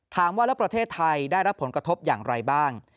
ถามว่าแล้วประเทศไทยได้รับผลกระทบอย่างไรบ้าง